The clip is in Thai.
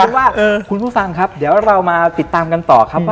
เป็นว่าคุณผู้ฟังครับเดี๋ยวเรามาติดตามกันต่อครับ